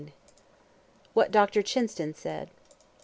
WHAT DR. CHINSTON SAID.